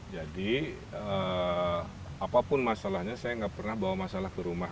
jadi apapun masalahnya saya nggak pernah bawa masalah ke rumah